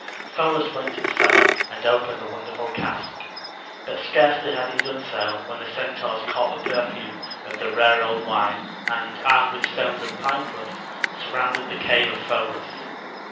Pholus went to the cellar and opened the wonderful cask. But scarcely had he done so when the Centaurs caught the perfume of the rare old wine, and, armed with stones and pine clubs, surrounded the cave of Pholus.